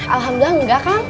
alhamdulillah enggak kang